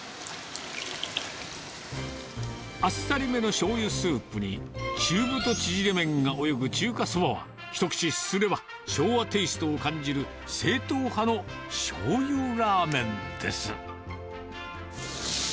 あっさりめのしょうゆスープに、中太縮れ麺が泳ぐ中華そばは、一口すすれば、昭和テイストを感じる正統派のしょうゆラーメンです。